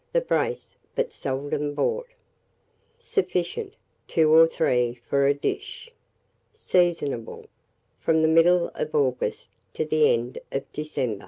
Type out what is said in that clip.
the brace; but seldom bought. Sufficient, 2 or 3 for a dish. Seasonable from the middle of August to the end of December.